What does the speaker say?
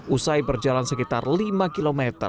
usai berjalan sekitar lima km